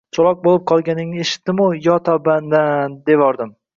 Choʻloq boʻlib qolganingni eshitdimu, yo tavbangdan, devordim.